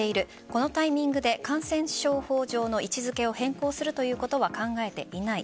このタイミングで感染症法上の位置付けを変更するということは考えていない。